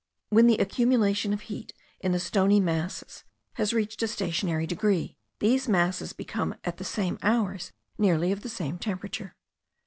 When the accumulation of heat in the stony masses has reached a stationary degree, these masses become at the same hours nearly of the same temperature.